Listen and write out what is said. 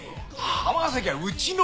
浜崎はうちの。